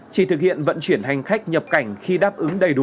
chỉ thực hiện vận chuyển hành khách nhập cảnh khi đáp ứng đầy đủ